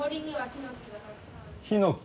ヒノキ。